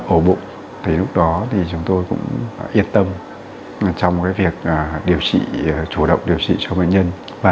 ổ bụng thì lúc đó thì chúng tôi cũng yên tâm trong việc điều trị chủ động điều trị cho bệnh nhân